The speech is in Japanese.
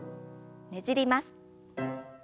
ねじります。